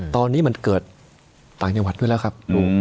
ตอนนี้มันเกิดต่างจังหวัดด้วยแล้วครับ